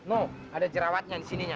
oh ada jerawatnya di sininya